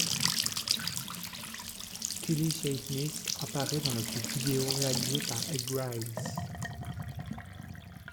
Keely Shaye Smith apparaît dans le clip vidéo réalisé par Edd Griles.